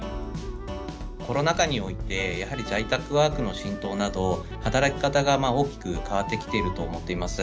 コロナ禍において、やはり、在宅ワークの浸透など、働き方が大きく変わってきていると思っています。